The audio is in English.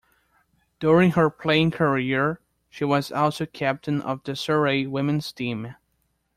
During her playing career, she was also captain of the Surrey women's team.